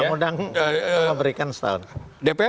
undang undang memberikan setahun